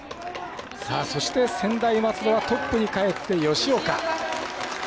そして、専大松戸はトップにかえって、吉岡。